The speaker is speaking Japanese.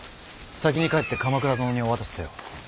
先に帰って鎌倉殿にお渡しせよ。